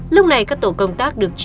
lúc này các tổ công tác được